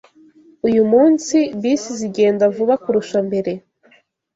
Uyu munsi bisi zigenda vuba kurusha mbere